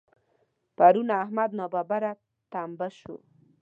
پرون احمد ناببره ټمبه شو.